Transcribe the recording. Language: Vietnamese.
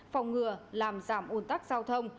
phòng ngừa làm giảm ồn tắc giao thông